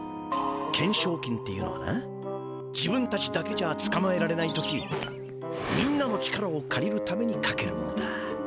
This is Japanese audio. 懸賞金っていうのはな自分たちだけじゃつかまえられない時みんなの力をかりるためにかけるものだ。